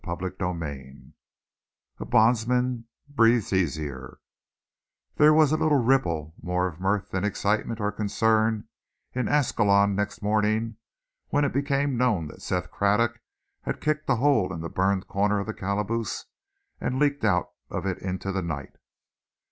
CHAPTER XVIII A BONDSMAN BREATHES EASIER There was a little ripple, more of mirth than excitement or concern, in Ascalon next morning when it became known that Seth Craddock had kicked a hole in the burned corner of the calaboose and leaked out of it into the night.